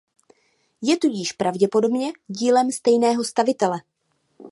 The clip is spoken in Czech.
Je tudíž pravděpodobně dílem stejného stavitele.